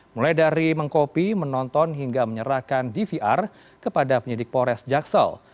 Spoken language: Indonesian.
mulai dari mengkopi menonton hingga menyerahkan dvr kepada penyidik pores jaksel